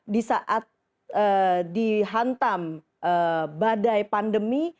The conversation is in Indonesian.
di saat dihantam badai pandemi